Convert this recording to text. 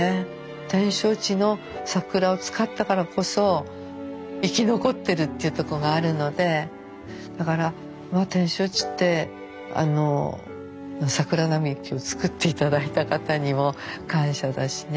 展勝地の桜を使ったからこそ生き残ってるっていうとこがあるのでだから展勝地って桜並木を作って頂いた方にも感謝だしね。